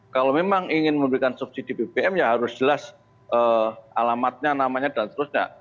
kalau memang ingin memberikan subsidi bbm ya harus jelas alamatnya namanya dan seterusnya